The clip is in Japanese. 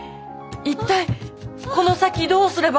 一体この先どうすれば。